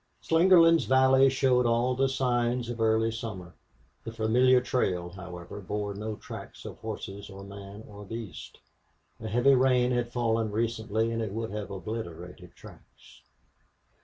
Slingerland's valley showed all the signs of early summer. The familiar trail, however, bore no tracks of horses or man or beast. A heavy rain had fallen recently and it would have obliterated tracks.